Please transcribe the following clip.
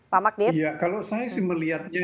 pak magdir iya kalau saya sih melihatnya